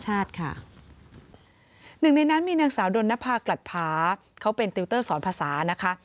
หนึ่งในนั้นมีนางสาวดนภากลัดพาเขาเป็นติวเตอร์สอนภาษานะคะ